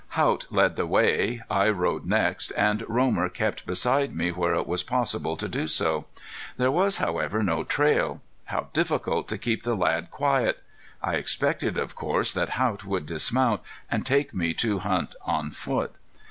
Haught led the way, I rode next and Romer kept beside me where it was possible to do so. There was, however, no trail. How difficult to keep the lad quiet! I expected of course that Haught would dismount, and take me to hunt on foot.